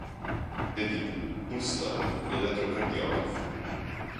cadinho, porcelana, eletrocardiógrafo